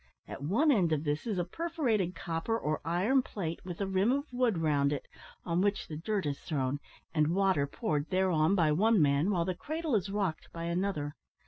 At one end of this is a perforated copper or iron plate, with a rim of wood round it, on which the "dirt" is thrown, and water poured thereon by one man, while the cradle is rocked by another.